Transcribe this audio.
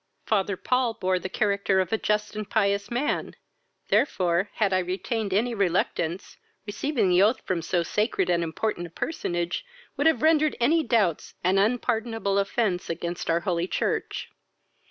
Father Paul bore the character of a just and pious man; therefore, had I retained any reluctance, receiving the oath from so sacred and important a personage would have rendered any doubts an unpardonable offence against our holy church.